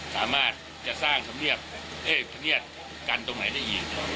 สามารถจะสร้างทะเมียดกันตรงไหนได้อีก